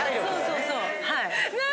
そうそうはい。